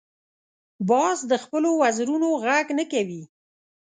باز د خپلو وزرونو غږ نه کوي